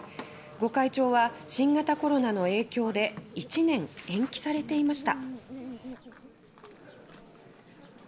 御開帳は新型コロナの影響で１年延期されていました。